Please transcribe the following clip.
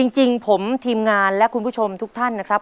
จริงผมทีมงานและคุณผู้ชมทุกท่านนะครับ